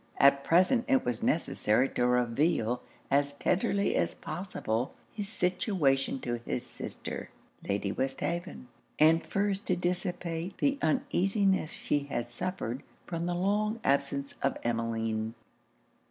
At present it was necessary to reveal as tenderly as possible his situation to his sister, Lady Westhaven; and first to dissipate the uneasiness she had suffered from the long absence of Emmeline.